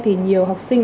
thì nhiều học sinh